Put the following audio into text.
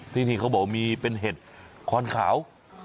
ที่นี่เขาบอกว่ามีเป็นเห็ดคอนขาว